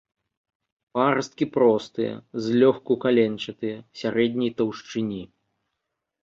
Парасткі простыя, злёгку каленчатыя, сярэдняй таўшчыні.